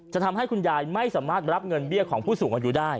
ทำให้คุณยายไม่สามารถรับเงินเบี้ยของผู้สูงอายุได้